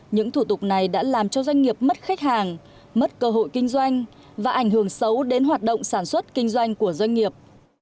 những thủ tục này đã làm cho doanh nghiệp mất khách hàng mất cơ hội kinh doanh và ảnh hưởng xấu đến hoạt động sản xuất kinh doanh của doanh nghiệp